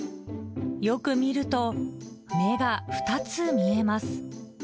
よく見ると、目が２つ見えます。